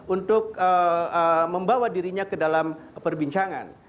untuk membawa dirinya ke dalam perbincangan